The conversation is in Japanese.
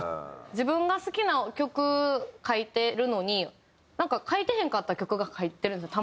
自分が好きな曲書いてるのになんか書いてへんかった曲が入ってるんですよ